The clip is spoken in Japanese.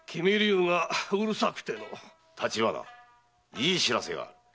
いい報せがある。